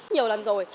nhiều lần rồi